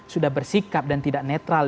sudah bersikap dan tidak netral